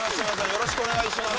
よろしくお願いします